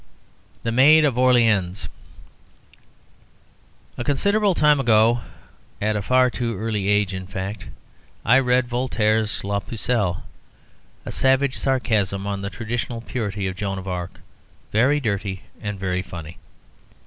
THE MAID OF ORLEANS A considerable time ago (at far too early an age, in fact) I read Voltaire's "La Pucelle," a savage sarcasm on the traditional purity of Joan of Arc, very dirty, and very funny.